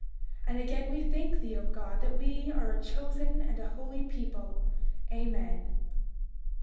31:18 And again we thank thee, O God, that we are a chosen and a holy people. Amen.